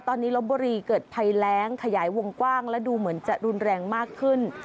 ตอนนี้ลบบุรีเกิดภัยแรงขยายวงกว้างและดูเหมือนจะรุนแรงมากขึ้น